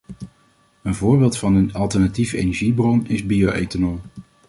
Een voorbeeld van een alternatieve energiebron is bio-ethanol.